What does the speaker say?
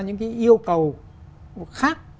những yêu cầu khác